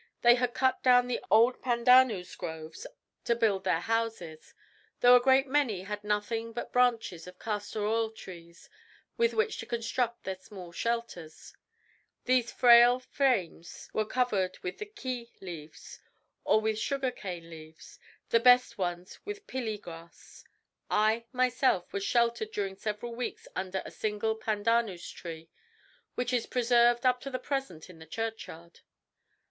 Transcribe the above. They had cut down the old pandanus groves to build their houses, though a great many had nothing but branches of castor oil trees with which to construct their small shelters. These frail frames were covered with ki leaves or with sugar cane leaves, the best ones with pili grass. I, myself, was sheltered during several weeks under the single pandanus tree which is preserved up to the present in the churchyard.